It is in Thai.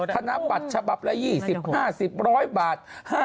ธนบัตรฉบับละ๒๐ห้าสิบร้อยบาท